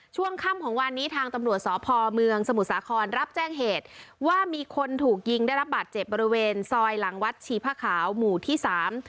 ช่วงค่ำของวันนี้ทางตำรวจสพเมืองสมุทรสาครรับแจ้งเหตุว่ามีคนถูกยิงได้รับบาดเจ็บบริเวณซอยหลังวัดชีพะขาวหมู่ที่สาม